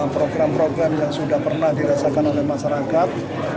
program program yang sudah pernah dirasakan oleh masyarakat